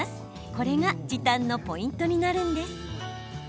これが時短のポイントになるんです。